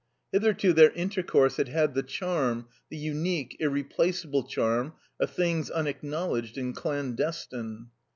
Hitherto their intercourse had had the charm, the unique, irreplaceable charm of things unacknowledged and clandestine.